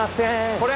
これ？